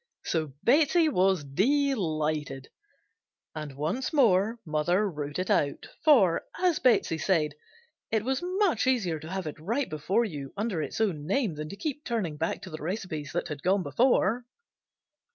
So Betsey was delighted, and once more mother wrote it out, for, as Betsey said, "It was much easier to have it right before you under its own name than to keep turning back to the recipes that had gone before."